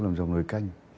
dòng dòng nồi canh